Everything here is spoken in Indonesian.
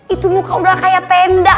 itu muka udah kayak tenda